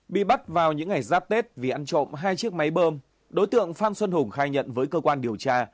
bị bắt vào những ngày giáp tết vì ăn trộm hai chiếc máy bơm đối tượng phan xuân hùng khai nhận với cơ quan điều tra